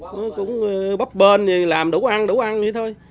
nó cũng bóp bên làm đủ ăn đủ ăn vậy thôi